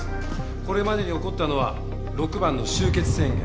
これまでに起こったのは６番の終結宣言。